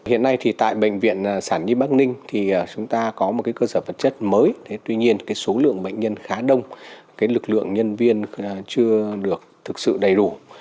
hiện nay thì tại bệnh viện sản nhi bắc ninh thì chúng ta có một cơ sở vật chất mới tuy nhiên số lượng bệnh nhân khá đông lực lượng nhân viên chưa được thực sự đầy đủ